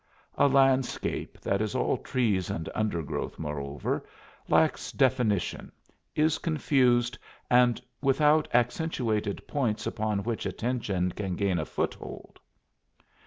A landscape that is all trees and undergrowth, moreover, lacks definition, is confused and without accentuated points upon which attention can gain a foothold.